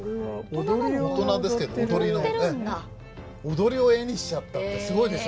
踊りを絵にしちゃったってすごいでしょ。